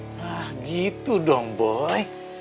nah gitu dong boy